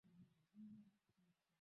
e ya uchaguzi tanzania fanyeni hima